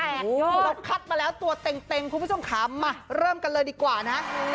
รถคัดมาแล้วตัวเต็งคุณผู้ชมขามาเริ่มกันเลยดีกว่านะ